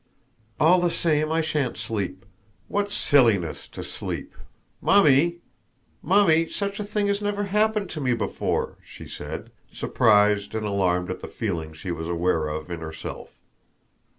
"All the same I shan't sleep. What silliness, to sleep! Mummy! Mummy! such a thing never happened to me before," she said, surprised and alarmed at the feeling she was aware of in herself.